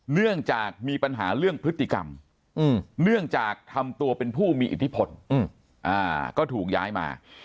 เนื่องจากมีปัญหาเรื่องพฤติกรรมเนื่องจากทำตัวเป็นผู้มีอิทธิพลก็ถูกย้ายมา